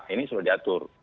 ini sudah diatur